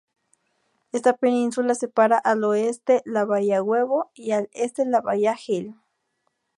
Esta península separa, al oeste la bahía Huevo, y al este la bahía Gil.